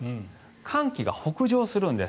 寒気が北上するんです。